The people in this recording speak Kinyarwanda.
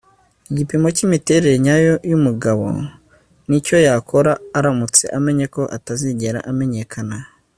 igipimo cyimiterere nyayo yumugabo nicyo yakora aramutse amenye ko atazigera amenyekana